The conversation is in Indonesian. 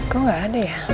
kok gak ada ya